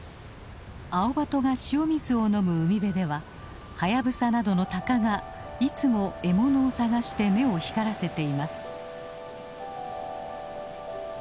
アオバトが塩水を飲む海辺ではハヤブサなどのタカがいつも獲物を探して目を光らせています。